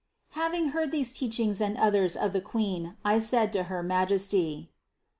Having heard these teachings and others of the Queen, I said to her Majesty: 243.